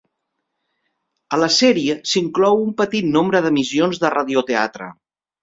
A la sèrie s'inclou un petit nombre d'emissions de radioteatre.